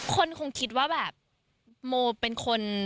คนคงคิดว่าแบบโมเป็นคน